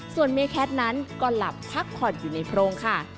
ส่วนเมแคทนั้นก็หลับพักผ่อนอยู่ในโพรงค่ะ